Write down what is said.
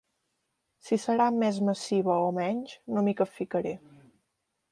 Si serà més massiva o menys, no m’hi capficaré.